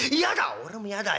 「俺もやだよ。